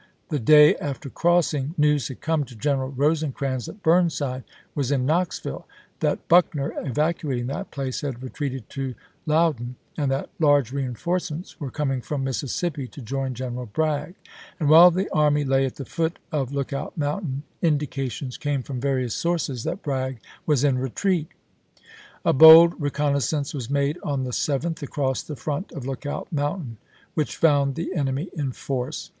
The day after crossing, news had come to General Rose crans that Burnside was in Knoxville ; that Buck ner, evacuating that place, had retreated to Loudon; and that large reenforcements were coming from Mississippi to join General Bragg ; and while the army lay at the foot of Lookout Mountain, indica THE MAKCH TO CHATTANOOGA 73 tions came from various soui'ces that Bragg was in chap. hi. reti'eat. A bold reconnaissance was made on the 7th, sept.,i863. across the front of Lookout Mountain, which found the enemy in force.